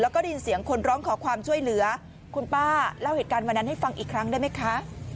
แล้วก็ได้ยินเสียงคนร้องขอความช่วยเหลือคุณป้าเล่าเหตุการณ์วันนั้นให้ฟังอีกครั้งได้ไหมคะ